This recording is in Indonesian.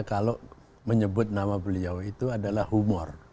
kalau menyebut nama beliau itu adalah humor